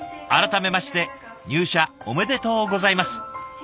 改めまして入社おめでとうございます。